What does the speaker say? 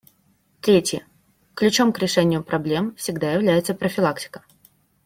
Третье: ключом к решению проблем всегда является профилактика.